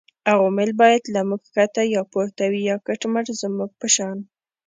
عوامل باید له موږ ښکته یا پورته وي یا کټ مټ زموږ په شان